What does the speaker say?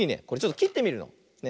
これちょっときってみるの。